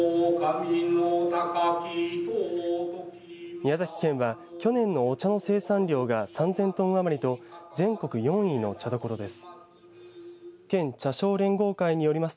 宮崎県は、去年のお茶の生産量が３０００トン余りと全国４位の茶どころです。